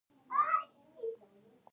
د لوی پرمختګ له امله لوږه رامنځته شوه.